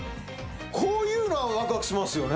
こういうのはワクワクしますよね